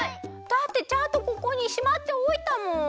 だってちゃんとここにしまっておいたもん。